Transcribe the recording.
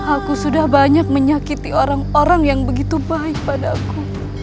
aku sudah banyak menyakiti orang orang yang begitu baik padaku